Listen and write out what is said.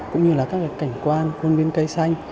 cũng như là các cảnh quan quân viên cây xanh